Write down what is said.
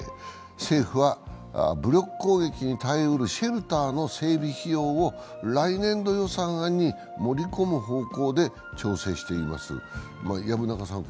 政府は、武力攻撃に耐えうるシェルターの整備費用を来年度予算案に盛り込む方向で調整しています。